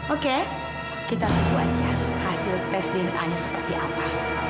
oke kita tunggu aja hasil tes dna nya seperti apa